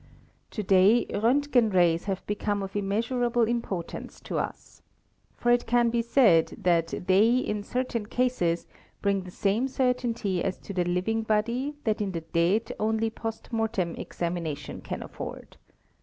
* To day Rontgen rays have become of immeasurable importance to us. For it can be said that they in certain cases bring the same certainty as f ) the living body that in the dead only post mortem examination ca ! afford.